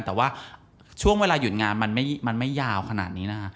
แต่ว่าช่วงเวลาหยุดงานมันไม่ยาวขนาดนี้นะฮะ